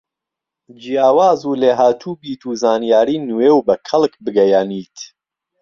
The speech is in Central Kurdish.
جیاواز و لێهاتووبیت و زانیاری نوێ و بە کەڵک بگەیەنیت